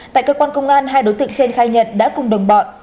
tại cơ quan công an hai đối tượng trên khai nhận đã cùng đồng bọn